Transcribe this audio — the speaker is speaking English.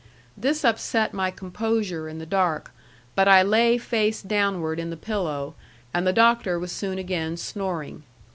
This upset my composure in the dark; but I lay face downward in the pillow, and the Doctor was soon again snoring.